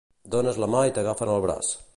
Dónes la mà i t'agafen el braç